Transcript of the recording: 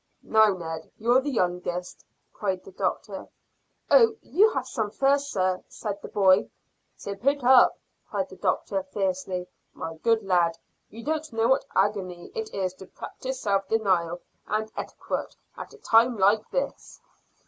"Now, Ned, you're the youngest," cried the doctor. "Oh, you have some first, sir," said the boy. "Tip it up," cried the doctor fiercely. "My good lad, you don't know what agony it is to practise self denial and etiquette at a time like this."